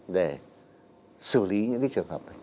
để xử lý những cái trường hợp này